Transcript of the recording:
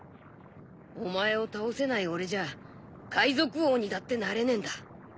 お前を倒せない俺じゃ海賊王にだってなれねえんだ。